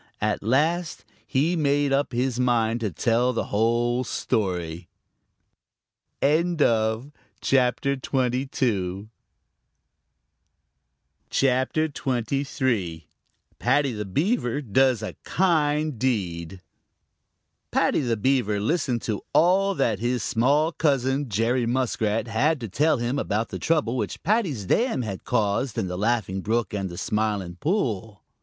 At last he made up his mind to tell the whole story. CHAPTER XXIII: Paddy The Beaver Does A Kind Deed Paddy the Beaver listened to all that his small cousin, Jerry Muskrat, had to tell him about the trouble which Paddy's dam had caused in the Laughing Brook and the Smiling Pool.